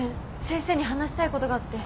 先生に話したいことがあって。